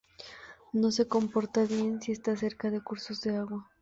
No se comporta bien si está cerca de cursos de agua.